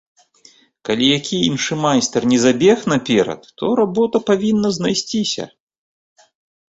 Калі які іншы майстар не забег наперад, то работа павінна знайсціся.